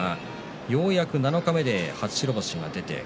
ようやく七日目初白星が出ました。